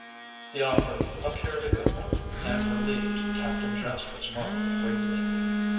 The offer appeared a good one, and relieved Captain Jasper's mind greatly.